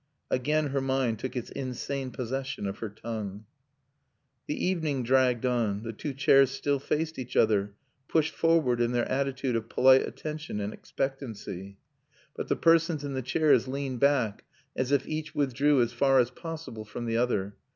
Again her mind took its insane possession of her tongue. The evening dragged on. The two chairs still faced each other, pushed forward in their attitude of polite attention and expectancy. But the persons in the chairs leaned back as if each withdrew as far as possible from the other.